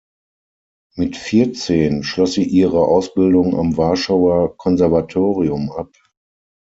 Mit vierzehn schloss sie ihre Ausbildung am Warschauer Konservatorium ab.